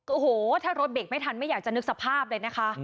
โอ้โหถ้ารถเบรกไม่ทันไม่อยากจะนึกสภาพเลยนะคะ